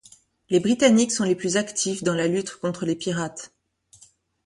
Les Britanniques sont les plus actifs dans la lutte contre les pirates.